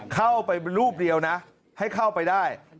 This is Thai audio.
เข้าไปรูปเดียวนะให้เข้าไปได้